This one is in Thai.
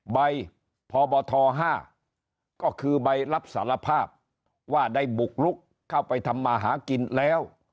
ใบพบท๕ก็คือใบรับสารภาพว่าได้บุกลุกเข้าไปทำมาหากินแล้ว